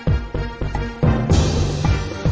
กินโทษส่องแล้วอย่างนี้ก็ได้